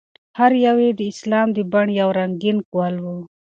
هر یو یې د اسلام د بڼ یو رنګین ګل و.